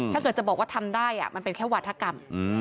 ถ้าเกิดจะบอกว่าทำได้มันเป็นแค่วาธกรรม